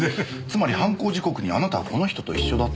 つまり犯行時刻にあなたはこの人と一緒だったんだ。